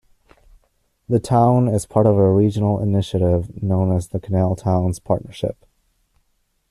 The town is part of a regional initiative known as the Canal Towns Partnership.